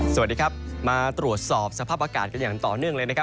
สวัสดีครับมาตรวจสอบสภาพอากาศกันอย่างต่อเนื่องเลยนะครับ